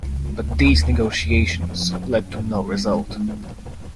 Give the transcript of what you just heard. But these negotiations led to no result.